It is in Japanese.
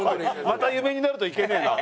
また夢になるといけねえな。